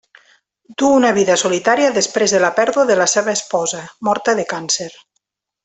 Duu una vida solitària després de la pèrdua de la seva esposa, morta de càncer.